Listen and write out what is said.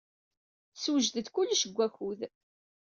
Tessewjed-d kullec deg wakud.